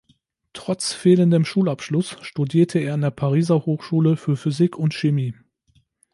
Trotz fehlendem Schulabschluss studierte er an der Pariser Hochschule für Physik und Chemie.